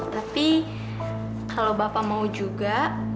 tapi kalau bapak mau juga